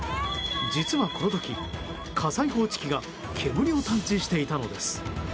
実はこの時、火災報知機が煙を探知していたのです。